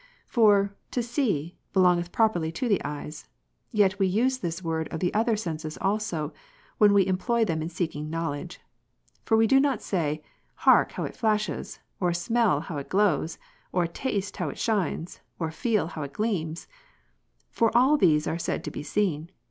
For, to see, belongeth 1 John properlyto the eyes; yetwe use this word of the other senses ' also, when we employ them in seeking knowledge. For we do not say, hark how it flashes, or smell how it glows, or taste how it shines, or feel how it gleams ; for all these are said to be seen.